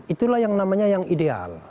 itulah yang namanya yang ideal